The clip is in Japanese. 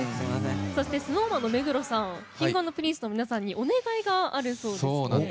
そして、ＳｎｏｗＭａｎの目黒さんＫｉｎｇ＆Ｐｒｉｎｃｅの皆さんにお願いがあるようですね。